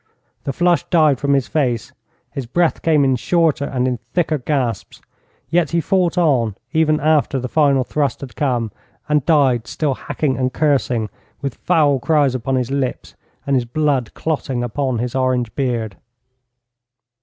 The flush died from his face. His breath came in shorter and in thicker gasps. Yet he fought on, even after the final thrust had come, and died still hacking and cursing, with foul cries upon his lips, and his blood clotting upon his orange beard.